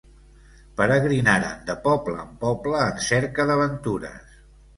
Peregrinaren de poble en poble en cerca d'aventures.